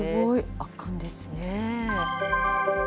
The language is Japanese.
圧巻ですね。